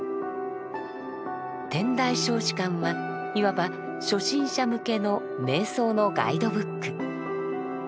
「天台小止観」はいわば初心者向けの瞑想のガイドブック。